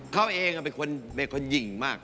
เขาเองเป็นคนหญิงมาก